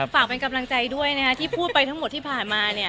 ฝากเป็นกำลังใจด้วยที่พูดไปทั้งหมดที่ผ่านมา